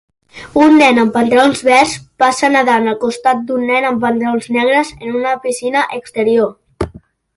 un nen amb pantalons verds passa nedant al costat d'un nen amb pantalons negres en una piscina exterior.